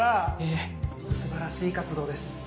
ええ素晴らしい活動です。